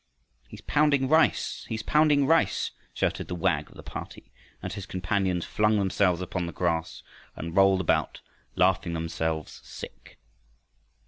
"He's pounding rice! He's pounding rice!" shouted the wag of the party, and his companions flung themselves upon the grass and rolled about laughing themselves sick.